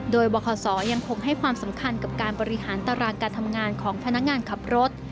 โดยบคศยังคงให้ความสำคัญกับการบริหารตารางการทำงานของพนักงานขับรถ